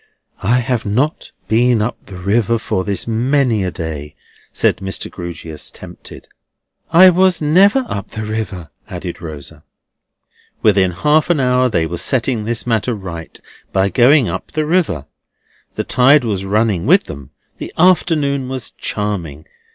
"I have not been up the river for this many a day," said Mr. Grewgious, tempted. "I was never up the river," added Rosa. Within half an hour they were setting this matter right by going up the river. The tide was running with them, the afternoon was charming.